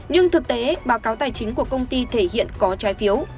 nhưng thực tế báo cáo tài chính của công ty thể hiện có trái phiếu